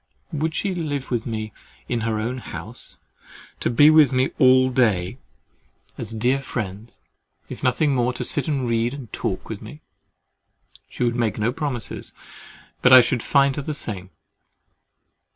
"Would she live with me in her own house—to be with me all day as dear friends, if nothing more, to sit and read and talk with me?"—"She would make no promises, but I should find her the same."